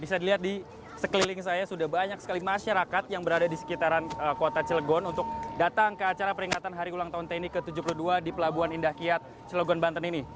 bisa dilihat di sekeliling saya sudah banyak sekali masyarakat yang berada di sekitaran kota cilegon untuk datang ke acara peringatan hari ulang tahun tni ke tujuh puluh dua di pelabuhan indah kiat cilogon banten ini